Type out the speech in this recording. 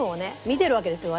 見てるわけですよ